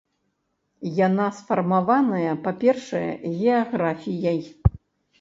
Яна сфармаваная, па-першае, геаграфіяй.